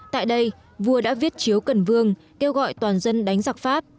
tại đây vua đã viết chiếu cần vương kêu gọi toàn dân đánh giặc pháp